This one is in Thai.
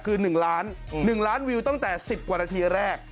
คือ๑ล้าน๑ล้านวิวตั้งแต่๑๐กว่านาทีแรก